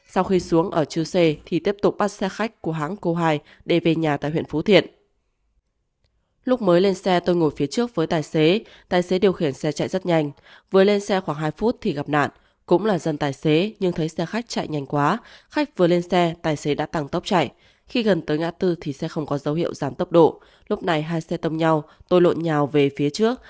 sau khi xuống ở chư sê thì tiếp tục bắt xe khách của hãng cô hai để về nhà tại huyện phú thiện